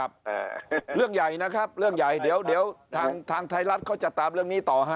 อ่าเรื่องใหญ่นะครับเรื่องใหญ่เดี๋ยวเดี๋ยวทางทางไทยรัฐเขาจะตามเรื่องนี้ต่อฮะ